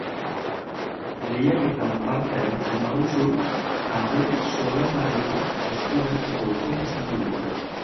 Lehiaketan parte hartzen baduzu, tablet zoragarri bat eskuratzeko aukera izango duzu.